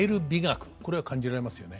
これは感じられますよね。